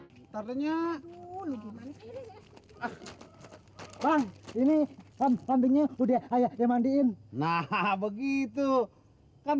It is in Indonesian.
hai hai hai tarinya dulu gimana sih bang ini kan pentingnya udah ayahnya mandiin nah begitu kan